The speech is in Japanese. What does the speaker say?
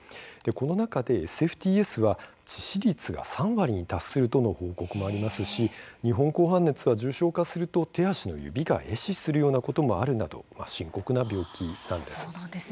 この中でＳＦＴＳは発症すると致死率が３割に達するという報告もありますし日本紅斑熱は重症化すると手足の指がえ死するようなことなどもあるなど深刻な病気なんです。